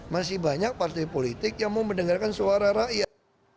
masih banyak partai politik yang mau mendengarkan suara rakyat